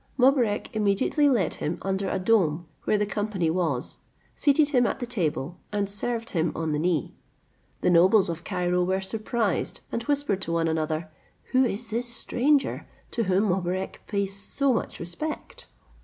Mobarec immediately led him under a dome where the company was, seated him at the table, and served him on the knee. The nobles of Cairo were surprised, and whispered to one another, "Who is this stranger, to whom Mobarec pays so much respect?"